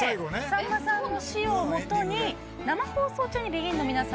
さんまさんの詞を基に生放送中にＢＥＧＩＮの皆さんが作りあげた。